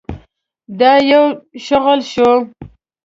دا يې شغل شو.